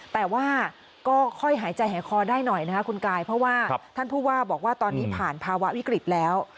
แต่ว่าก็ค่อยหายใจหายคอได้หน่อยนะคะคุณกายเพราะว่าท่านผู้ว่าบอกว่าตอนนี้ผ่านภาวะวิกฤตแล้ว